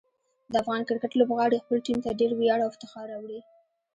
د افغان کرکټ لوبغاړي خپل ټیم ته ډېر ویاړ او افتخار راوړي.